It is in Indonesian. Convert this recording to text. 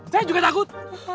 saya juga takut